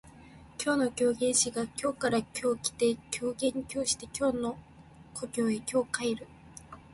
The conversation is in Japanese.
今日の狂言師が京から今日来て狂言今日して京の故郷へ今日帰る